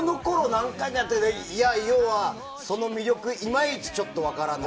何回かやったけど要は、その魅力いまいちちょっと分からない。